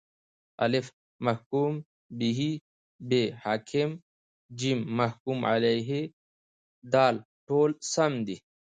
الف: محکوم به ب: حاکم ج: محکوم علیه د: ټوله سم دي